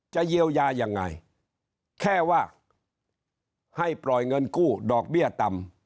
จะเยียวยายังไงแค่ว่าให้ปล่อยเงินกู้ดอกเบี้ยต่ำ